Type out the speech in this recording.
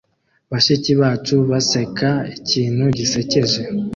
Bashiki bacu baseka ikintu gisekeje